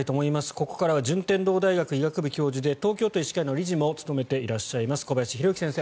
ここからは順天堂大学医学部教授で東京都医師会の理事も務めていらっしゃいます小林弘幸先生